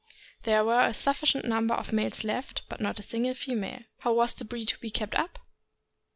There were a sufficient num ber of males left, but not a single female. How was the breed to be kept up?